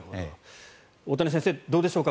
大谷先生、どうでしょうか